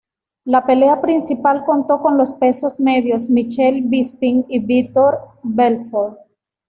La pelea principal contó con los pesos medios Michael Bisping y Vitor Belfort.